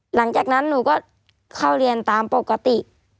หลังจากนั้นหนูก็เข้าเรียนตามปกติ